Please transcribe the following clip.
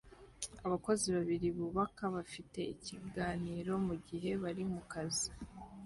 Abakozi babiri bubaka bafite ikiganiro mugihe bari mukazi